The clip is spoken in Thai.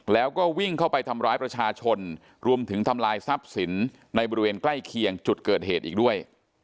แล้วก็วิ่งเข้าไปทำร้ายประชาชนรวมถึงทำลายทรัพย์สินในบริเวณใกล้เคียงจุดเกิดเหตุอีกด้วย